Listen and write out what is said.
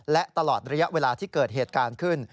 และตลอดระยะเวลาที่เกิดเหตุการณ์ขึ้น